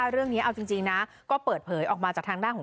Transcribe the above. เรื่องนี้เอาจริงนะก็เปิดเผยออกมาจากทางด้านของ